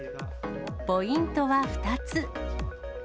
ポイントは２つ。